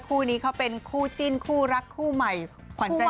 คู่นี้เขาเป็นคู่จิ้นคู่รักคู่ใหม่คู่หวานคู่หวาน